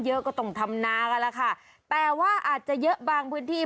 เยอะกว่าตรงธรรมนาก็แล้วค่ะแต่ว่าอาจจะเยอะบางพื้นที่